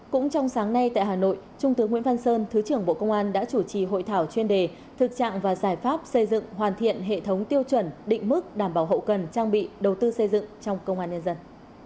cũng trong sáng nay tại hà nội trung tướng nguyễn văn sơn thứ trưởng bộ công an đã chủ trì hội thảo chuyên đề thực trạng và giải pháp xây dựng hoàn thiện hệ thống tiêu chuẩn định mức đảm bảo hậu cần trang bị đầu tư xây dựng trong công an nhân dân